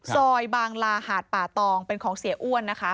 ซอยบางลาหาดป่าตองเป็นของเสียอ้วนนะคะ